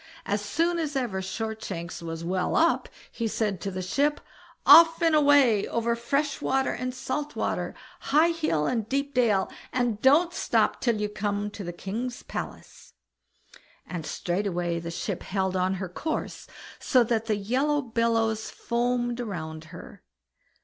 As soon as ever Shortshanks was well up, he said to the ship, "Off and away, over fresh water and salt water, high hill and deep dale, and don't stop till you come to the king's palace"; and straightway the ship held on her course, so that the yellow billows foamed round her.